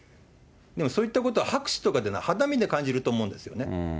そういったこと、拍手とか肌身で感じると思うんですね。